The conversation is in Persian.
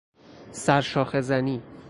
سر شاخه زنی